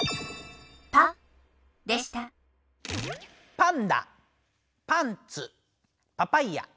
パンダパンツパパイア。